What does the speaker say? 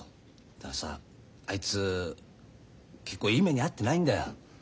だからさあいつ結構いい目にあってないんだよ。